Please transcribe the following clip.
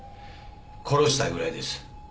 殺したいぐらいです。